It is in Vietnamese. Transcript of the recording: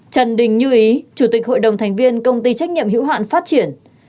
trần đình như ý chủ tịch hội đồng thành viên công ty trách nhiệm hữu hạn phát triển